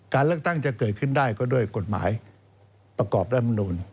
การเลือกตั้งจะเกิดขึ้นได้ก็ด้วยกฎหมายประกอบรัฐมนูล